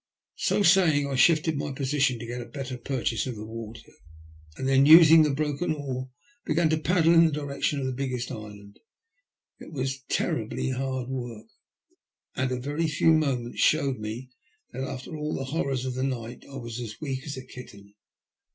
So saying, I shifted my position to got a better purchase of the water, and then using the broken oar began to paddle in the direction of the biggest island. It was terribly hard work, and a very few moments showed me that after all the horrors of the night I was as weak as a kitten.